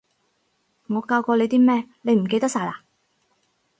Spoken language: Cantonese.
我教過你啲咩，你唔記得晒嘞？